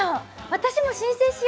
私も申請しよ！